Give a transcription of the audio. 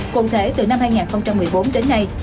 cụ thể từ năm hai nghìn một mươi bốn đến nay